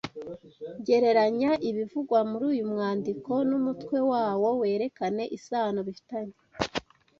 Gereranya ibivugwa muri uyu mwandiko n’umutwe wawo werekana isano bifitanye.